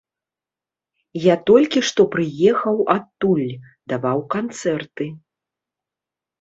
Я толькі што прыехаў адтуль, даваў канцэрты.